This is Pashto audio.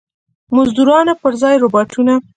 مزدورانو پر ځای روباټونه.